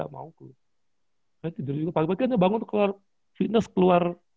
pagi pagi aja bangun fitness keluar